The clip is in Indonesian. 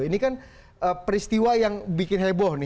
ini kan peristiwa yang bikin heboh nih